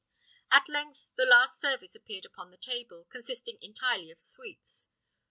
At length the last service appeared upon the table, consisting entirely of sweets.